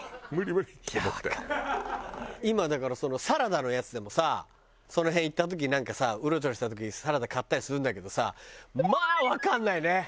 今だからそのサラダのやつでもさその辺行った時なんかさうろちょろした時サラダ買ったりするんだけどさまあわかんないね。